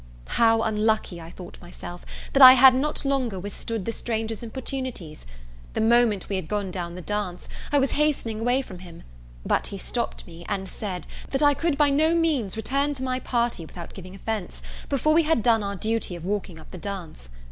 How unlucky I thought myself, that I had not longer withstood this stranger's importunities! The moment we had gone down the dance, I was hastening away from him; but he stopt me, and said, that I could by no means return to my party without giving offence, before we had done our duty of walking up the dance.